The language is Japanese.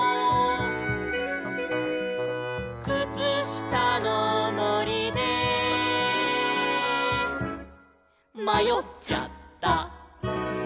「くつしたのもりでまよっちゃった」